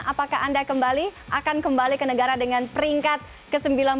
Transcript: apakah anda kembali akan kembali ke negara dengan peringkat ke sembilan belas